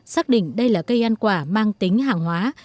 xác định đây là cây ăn quả mang tính hàng hóa